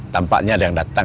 tampaknya ada yang datang